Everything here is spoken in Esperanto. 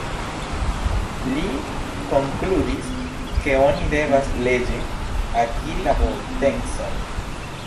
Li konkludis, ke oni devas leĝe akiri la potencon.